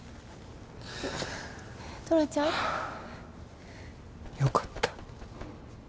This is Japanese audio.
トラちゃん？よかった。